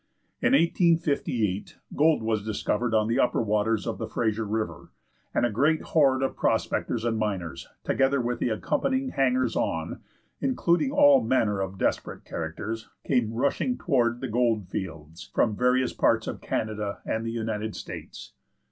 In 1858, gold was discovered on the upper waters of the Fraser River, and a great horde of prospectors and miners, together with the accompanying hangers on, including all manner of desperate characters, came rushing toward the gold fields, from various parts of Canada and the United States.